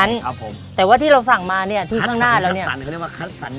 นะของคุณพ่อ